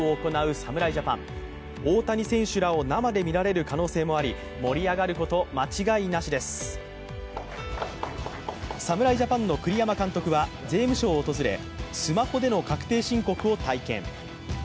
侍ジャパンの栗山監督は税務署を訪れスマホでの確定申告を体験。